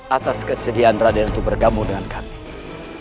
atas kesediaan raden untuk bergabung dengan kami